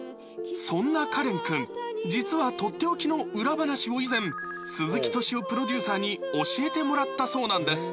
そんなカレン君実はとっておきの裏話を以前鈴木敏夫プロデューサーに教えてもらったそうなんです